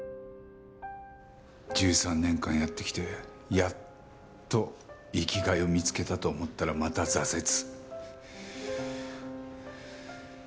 １３年間やってきてやっと生きがいを見つけたと思ったらまた挫折。